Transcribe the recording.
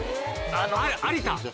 有田。